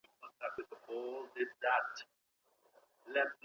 مرکزي کتابتون پرته له پلانه نه پراخیږي.